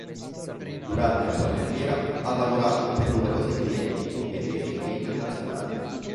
Durante la sua carriera ha lavorato per numerosi clienti ungheresi e internazionali.